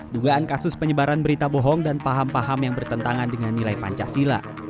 dugaan kasus penyebaran berita bohong dan paham paham yang bertentangan dengan nilai pancasila